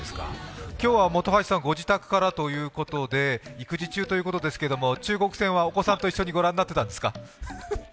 今日は本橋さん、ご自宅からということで育児中ということですが中国戦は、お子さんと一緒にご覧になってたんですか？